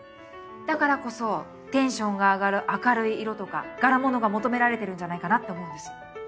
だからこそテンションが上がる明るい色とか柄物が求められてるんじゃないかなって思うんです。